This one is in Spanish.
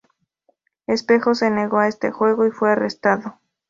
Espejo se negó a este juego y fue arrestado.